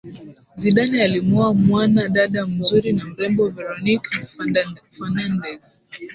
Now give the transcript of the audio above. Zidane alimuoa mwana dada mzuri na mrembo Veronique Fernandez